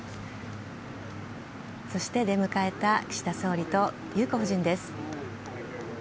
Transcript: そして、出迎えた岸田総理と裕子夫人です。